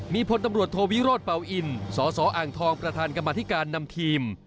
มีพลตำรวจโทวิโรธเป่าอินสสอ่างทองประธานกรรมธิการนำทีม